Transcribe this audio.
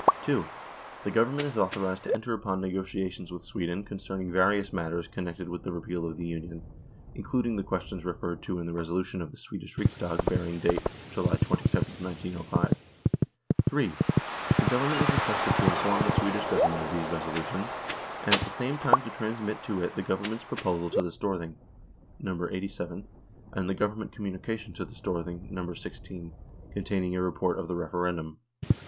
2. The Government is Authorised to enter upon negotiations with Sweden concerning various matters connected with the repeal of the Union, including the questions referred to in the resolution of the Swedish Riksdag bearing date July 27, 1905. 3. The Government is requested to inform the Swedish Government of these resolutions, and at the same time to transmit to it the Government pro posal to the Storthing (No. 87), and the Government communication to the Storthing (No. 16), containing a report of the referendum.